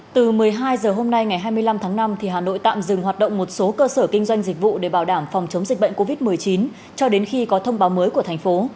từ một mươi hai h hôm nay ngày hai mươi năm tháng năm hà nội tạm dừng hoạt động một số cơ sở kinh doanh dịch vụ để bảo đảm phòng chống dịch bệnh covid một mươi chín cho đến khi có thông báo mới của thành phố